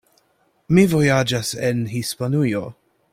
Mi vojaĝas en Hispanujo.